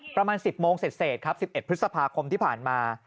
ประมาณ๑๐โมงเสร็จครับ๑๑พฤษภาคมที่ผ่านมา